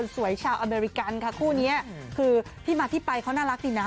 ชาวอเมริกันค่ะคู่นี้คือที่มาที่ไปเขาน่ารักดีนะ